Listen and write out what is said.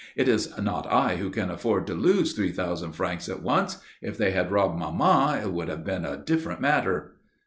"It is not I who can afford to lose three thousand francs at once. If they had robbed maman it would have been a different matter."